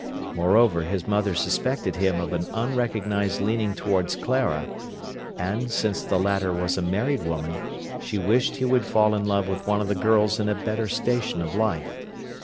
Moreover, his mother suspected him of an unrecognised leaning towards Clara, and, since the latter was a married woman, she wished he would fall in love with one of the girls in a better station of life.